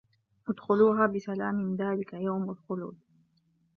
ادخُلوها بِسَلامٍ ذلِكَ يَومُ الخُلودِ